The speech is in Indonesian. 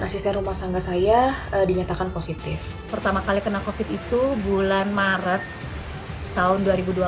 asisten rumah sangga saya dinyatakan positif pertama kali kena covid itu bulan maret tahun